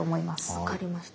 分かりました。